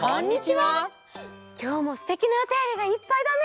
きょうもすてきなおたよりがいっぱいだね！